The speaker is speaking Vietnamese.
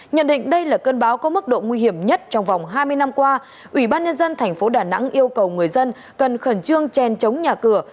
nhận định đây là cơn báo có mức độ nguy hiểm nhất trong vòng hai mươi năm qua ủy ban nhân dân tp đà nẵng yêu cầu người dân cần khẩn trương chen chống nhà cửa